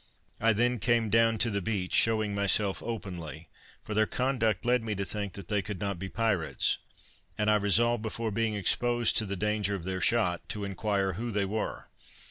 I then came down to the beach, shewing myself openly; for their conduct led me to think that they could not be pirates, and I resolved before being exposed to the danger of their shot, to inquire who they were.